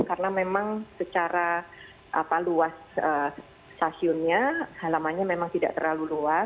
karena memang secara luas stasiunnya halamannya memang tidak terlalu luas